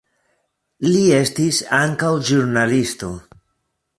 Li estis ankaŭ ĵurnalisto.